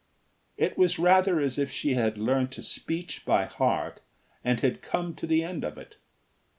It was rather as if she had learnt a speech by heart and had come to the end of it.